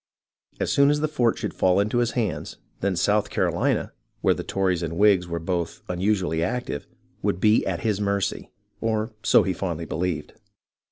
As soon as the fort should fall into his hands, then South Carolina, where the Tories and Whigs were both unusually active, Avould be at his mercy, or so he fondly believed.